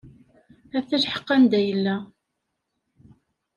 Ata lḥeq anda yella.